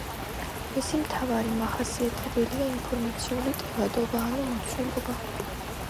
მისი მთავარი მახასიათებელია ინფორმაციული ტევადობა ანუ მოცულობა.